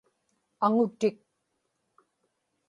aŋutik